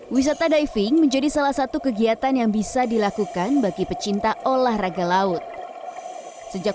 wisata diving menjadi salah satu kegiatan yang bisa dilakukan bagi pecinta olahraga laut sejak